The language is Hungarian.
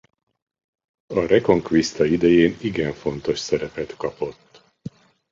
A reconquista idején igen fontos szerepet kapott.